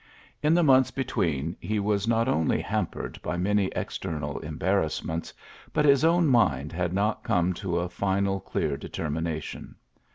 In the months between he was not only ham pered by many external embarrassments, but his own mind had not come to a final clear determination.